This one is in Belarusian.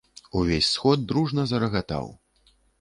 Увесь сход дружна зарагатаў.